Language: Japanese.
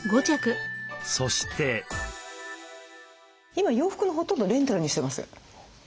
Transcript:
今洋服のほとんどをレンタルにしてます。